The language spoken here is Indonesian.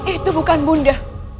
itu bukan bunda